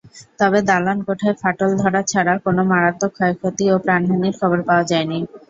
তবে দালানকোঠায় ফাটল ধরা ছাড়া কোনো মারাত্মক ক্ষয়ক্ষতি ও প্রাণহানির খবর পাওয়া যায়নি।